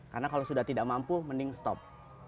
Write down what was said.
karena kalau sudah tidak mampu mending stop